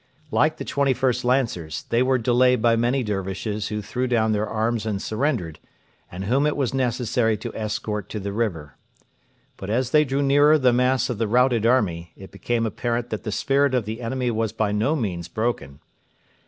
Like the 21st Lancers, they were delayed by many Dcrvishes who threw down their arms and surrendered, and whom it was necessary to escort to the river. But as they drew nearer the mass of the routed army, it became apparent that the spirit of the enemy was by no means broken.